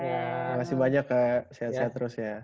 terima kasih banyak kak sehat sehat terus ya